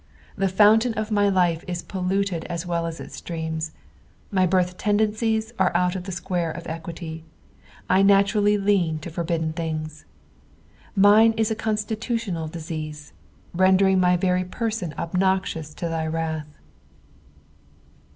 The fountain of my life is polluted as well as its streams. My birth tendencies are out of the square of equity ; 1 naturally lean to forbidden things. Mine is a constitutional disease, rnndering my very persnn obnoxioua to thy wralh.